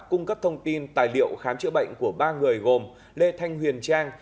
cung cấp thông tin tài liệu khám chữa bệnh của ba người gồm lê thanh huyền trang